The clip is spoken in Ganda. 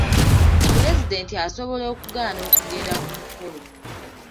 pulezidenti asobola okugaana okugenda ku mukolo.